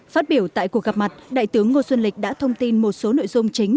phát biểu tại cuộc gặp mặt đại tướng ngô xuân lịch đã thông tin một số nội dung chính